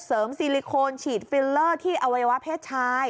ซิลิโคนฉีดฟิลเลอร์ที่อวัยวะเพศชาย